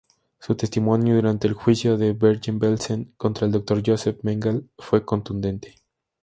Su testimonio, durante el juicio de Bergen-Belsen, contra el Dr. Joseph Mengele fue contundente.